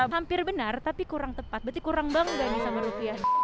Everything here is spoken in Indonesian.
hampir benar tapi kurang tepat berarti kurang bangga nih sama rupiah